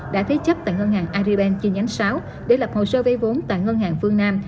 đã thấy chấp tại ngân hàng aribank chi nhánh sáu để lập hồ sơ vay vốn tại ngân hàng phương nam